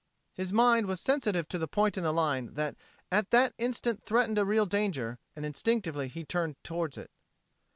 His mind was sensitive to the point in the line that at that instant threatened a real danger, and instinctively he turned to it.